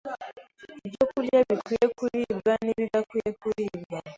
ibyokurya bikwiriye kuribwa n’ibidakwiriye kuribwa.